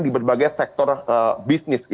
di berbagai sektor bisnis